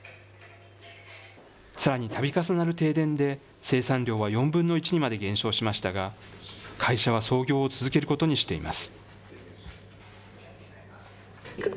さらにたび重なる停電で、生産量は４分の１にまで減少しましたが、会社は操業を続けることにしています。